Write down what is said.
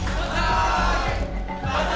万歳！